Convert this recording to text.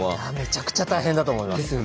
めちゃくちゃ大変だと思います。